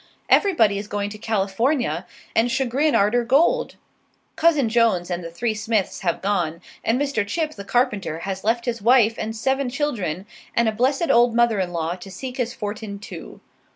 Everybody is going to California and Chagrin arter gold. Cousin Jones and the three Smiths have gone; and Mr. Chip, the carpenter, has left his wife and seven children and a blessed old mother in law, to seek his fortin, too.